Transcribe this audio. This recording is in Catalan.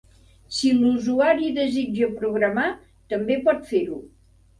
Si l'usuari desitja programar, també pot fer-ho.